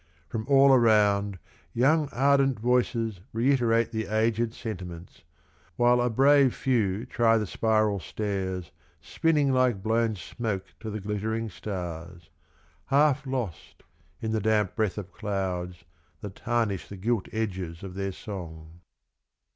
From all around young ardent voices Reiterate the aged sentiments. While a brave few try the spiral stairs Spinning like blown smoke to the glittering stars, Half lost in the damp breath of clouds That tarnish th< gilt edges of their song.